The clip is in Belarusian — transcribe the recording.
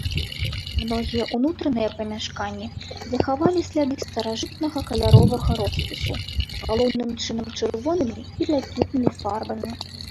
Многія ўнутраныя памяшканні захавалі сляды старажытнага каляровага роспісу, галоўным чынам чырвонымі і блакітнымі фарбамі.